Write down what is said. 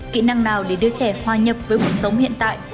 kỹ năng nào để đưa trẻ hoa nhập với cuộc sống hiện tại